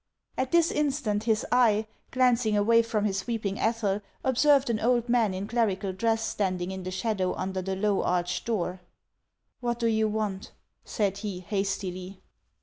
At this instant his eye, glancing away from his weeping Ethel, observed an old man in clerical dress standing in the shadow under the low, arched door. " What do you want ?" said he, hastily.